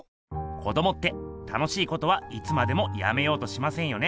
子どもって楽しいことはいつまでもやめようとしませんよね。